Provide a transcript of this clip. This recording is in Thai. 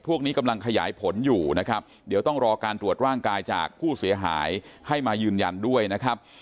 พวกนี้กำลังขยายผลอยู่นะครับเดี๋ยวต้องรอการตรวจร่างกายจากผู้เสียหายให้มายืนยันด้วยนะครับ